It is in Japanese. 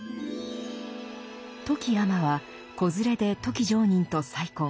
富木尼は子連れで富木常忍と再婚。